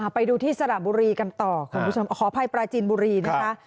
ไปดูที่สระบุรีกันต่อคุณผู้ชมขออภัยปราจีนบุรีนะคะ